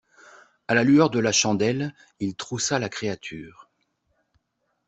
A la lueur de la chandelle, il troussa la créature.